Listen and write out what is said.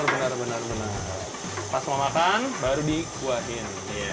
benar benar pas mau makan baru dikuatin